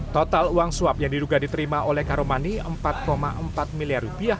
total uang suap yang diduga diterima oleh karomani rp empat empat miliar